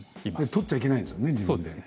取っちゃいけないんですよね。